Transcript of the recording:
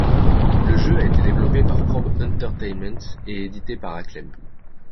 Le jeu a été développé par Probe Entertainment et édité par Acclaim.